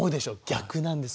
逆なんです。